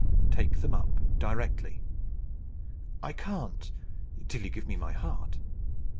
"Take them up directly." "I can't, till you give me my heart."